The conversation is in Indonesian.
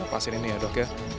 pasien ini ya dok ya